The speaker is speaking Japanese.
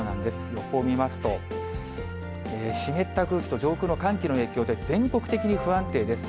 予報を見ますと、湿った空気と上空の寒気の影響で、全国的に不安定です。